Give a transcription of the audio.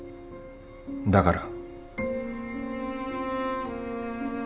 だから。